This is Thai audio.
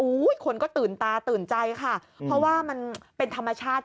คนก็ตื่นตาตื่นใจค่ะเพราะว่ามันเป็นธรรมชาติ